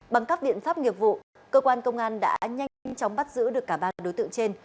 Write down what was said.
bằng các biện pháp nghiệp vụ cơ quan công an đã nhanh chóng bắt giữ được cả ba đối tượng trên